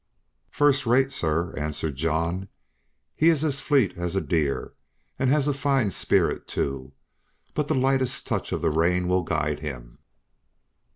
"First rate, sir," answered John; "he is as fleet as a deer, and has a fine spirit, too; but the lightest touch of the rein will guide him.